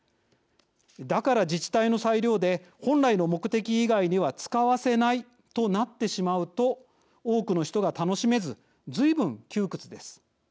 だから、自治体の裁量で本来の目的以外には使わせないとなってしまうと多くの人が楽しめずずいぶん窮屈です。